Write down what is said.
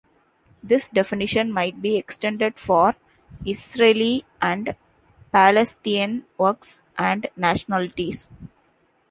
This definition might be extended for Israeli and Palestinian works and nationalities.